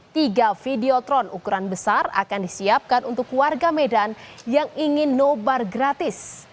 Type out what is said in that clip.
tiga videotron ukuran besar akan disiapkan untuk warga medan yang ingin nobar gratis